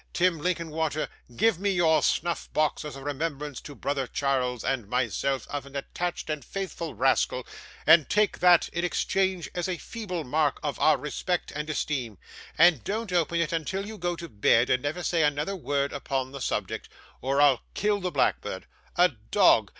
Tim Linkinwater, give me your snuff box as a remembrance to brother Charles and myself of an attached and faithful rascal, and take that, in exchange, as a feeble mark of our respect and esteem, and don't open it until you go to bed, and never say another word upon the subject, or I'll kill the blackbird. A dog!